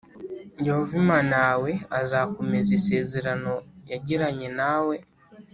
Yehova Imana yawe azakomeza isezerano yagiranye nawe,